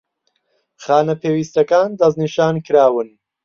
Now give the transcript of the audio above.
خانە پێویستەکان دەستنیشانکراون